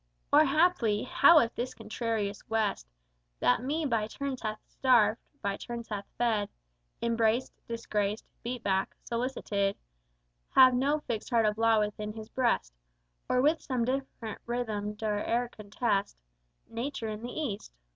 "Or, haply, how if this contrarious West, That me by turns hath starved, by turns hath fed, Embraced, disgraced, beat back, solicited, Have no fixed heart of Law within his breast, Or with some different rhythm doth e'er contest Nature in the East?